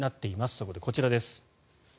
そこでこちらです。